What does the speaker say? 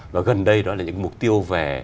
và gần đây đó là những mục tiêu